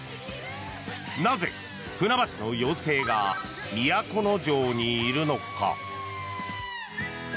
なぜ、船橋の妖精が都城にいるのか。